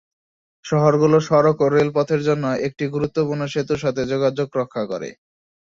শহরগুলো সড়ক ও রেলপথের জন্য একটি গুরুত্বপূর্ণ সেতুর সাথে সংযোগ রক্ষা করে।